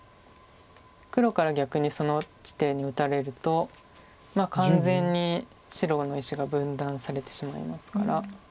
黒から逆にその地点に打たれると完全に白の石が分断されてしまいますから。